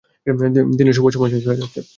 দিয়ের শুভ সময় শেষ হয়ে যাচ্ছে।